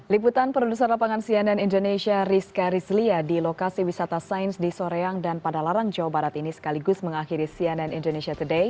liputan produser lapangan cnn indonesia rizka rizlia di lokasi wisata sains di soreang dan pada larang jawa barat ini sekaligus mengakhiri cnn indonesia today